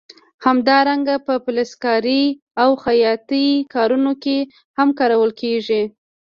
همدارنګه په فلزکارۍ او خیاطۍ کارونو کې هم کارول کېږي.